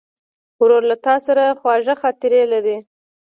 ورور له تا سره خواږه خاطرې لري.